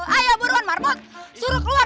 ayo buruan mahmud suruh keluar